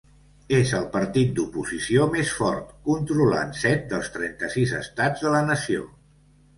És el partit d'oposició més fort, controlant set dels trenta-sis estats de la nació.